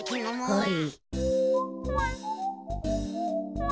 はい。